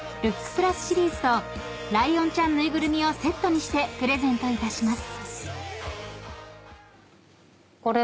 ＰＬＵＳシリーズとライオンちゃん縫いぐるみをセットにしてプレゼントいたします］